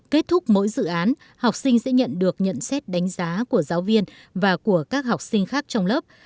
kết thúc mỗi dự án học sinh sẽ nhận được nhận xét đánh giá của giáo viên và của các học sinh khác trong lớp